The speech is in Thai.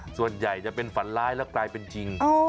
ส่วนใหญ่จะเป็นฝันร้ายแล้วกลายเป็นจริง